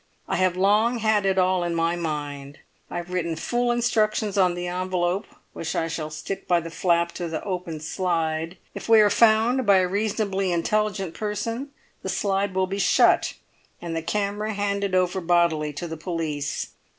I have long had it all in my mind. I have written full instructions on the envelope which I shall stick by the flap to the open slide; if we are found by a reasonably intelligent person, the slide will be shut, and the camera handed over bodily to the police.